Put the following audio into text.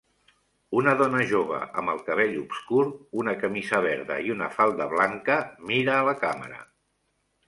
Una dona jove amb el cabell obscur, una camisa verda i una falda blanca mira a la càmera.